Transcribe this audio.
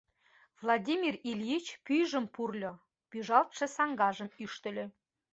— Владимир Ильич пӱйжым пурльо, пӱжалтше саҥгажым ӱштыльӧ.